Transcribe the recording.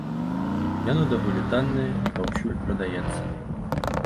Яно даволі таннае і паўсюль прадаецца.